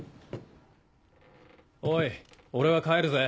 おい俺は帰るぜ。